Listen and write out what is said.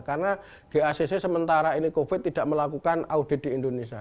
karena gacc sementara ini covid tidak melakukan audit di indonesia